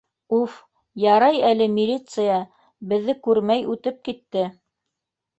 Уф, ярай әле милиция беҙҙе күрмәй үтеп китте.